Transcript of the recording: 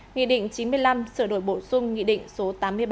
nghị định chín mươi năm sửa đổi bổ sung nghị định số tám mươi ba